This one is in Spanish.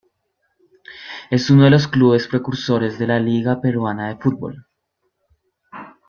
Es uno de los clubes precursores de la Liga peruana de fútbol.